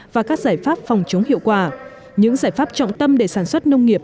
và các giải pháp phòng chống hiệu quả những giải pháp trọng tâm để sản xuất nông nghiệp